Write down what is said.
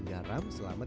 pakai garam juga ya